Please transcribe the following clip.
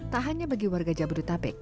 tak hanya bagi warga jabodetabek